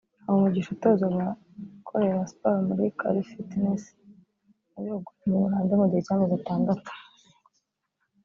Habumugisha utoza abakorera siporo muri Cali Fitness yabihuguriwe mu Buholandi mu gihe cy’amezi atandatu